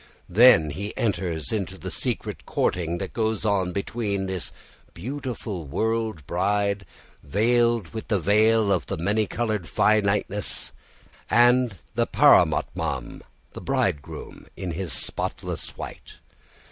Then he enters into the secret courting that goes on between this beautiful world bride, veiled with the veil of the many coloured finiteness, and the paramatmam, the bridegroom, in his spotless white.